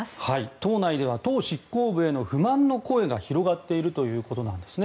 党内では党執行部への不満の声が広がっているということなんですね。